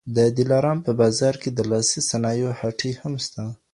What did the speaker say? د دلارام په بازار کي د لاسي صنایعو هټۍ هم سته